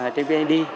trên môi trường mạng